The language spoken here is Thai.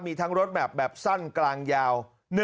มีทั้งรถแบบสั้นกลางยาว